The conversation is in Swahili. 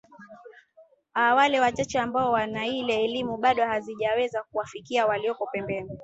a wale wachache ambao wanaile elimu bado hazijaweza kuwafikia walioko pembeni